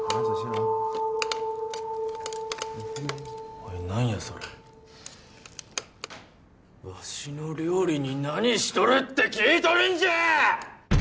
おい何やそれわしの料理に何しとるって聞いとるんじゃあ！